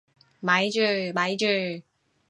咪住咪住！